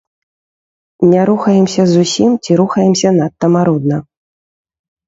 Не рухаемся зусім ці рухаемся надта марудна.